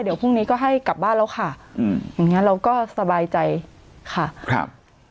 เดี๋ยวพรุ่งนี้ก็ให้กลับบ้านแล้วค่ะอืมอย่างเงี้เราก็สบายใจค่ะครับ